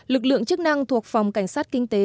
lực lượng chức năng thuộc phòng cảnh sát kinh tế